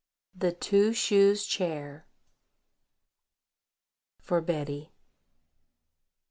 THE TWO SHOES CHAIR. FOR BETTY.